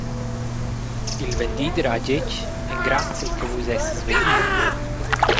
Il vendider ha getg: «Engraziel che vus essas vegni!»